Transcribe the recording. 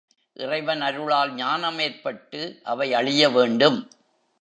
இறைவன் அருளால் ஞானம் ஏற்பட்டு அவை அழிய வேண்டும்.